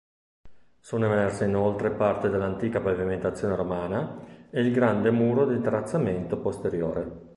Sono emerse inoltre parte dell'antica pavimentazione romana e il grande muro di terrazzamento posteriore.